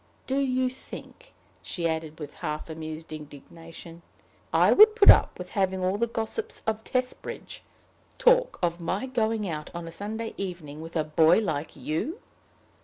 Do you think," she added with half amused indignation, "I would put up with having all the gossips of Testbridge talk of my going out on a Sunday evening with a boy like you?"